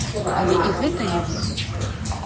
Але і гэта не выхад.